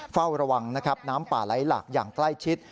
เฝ้าระวังนะครับน้ำป่าไหลหลากอย่างใกล้ชิด